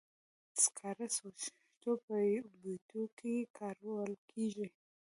سکاره د خښتو په بټیو کې کارول کیږي.